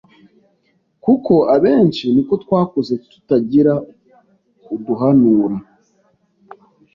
kuko abenshi niko twakuze tutagira uduhanura